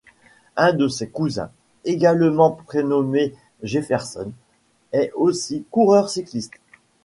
Un de ses cousins, également prénommé Jefferson, est aussi coureur cycliste.